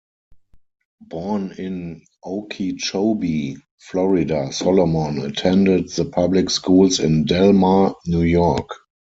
Born in Okeechobee, Florida, Solomon attended the public schools in Delmar, New York.